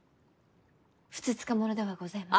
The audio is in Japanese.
ふつつか者ではございますが。